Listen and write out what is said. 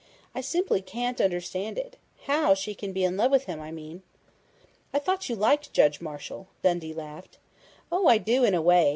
I simply can't understand it how she can be in love with him, I mean!" "I thought you liked Judge Marshall," Dundee laughed. "Oh, I do in a way....